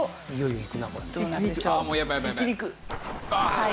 はい。